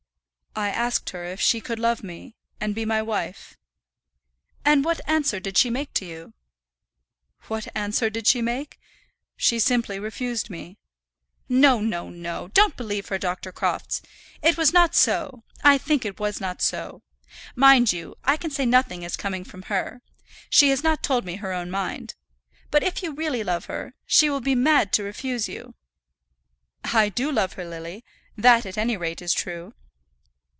"I asked her if she could love me, and be my wife." "And what answer did she make to you?" "What answer did she make? She simply refused me." "No, no, no; don't believe her, Dr. Crofts. It was not so; I think it was not so. Mind you, I can say nothing as coming from her. She has not told me her own mind. But if you really love her, she will be mad to refuse you." "I do love her, Lily; that at any rate is true."